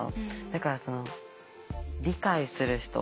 だから理解する人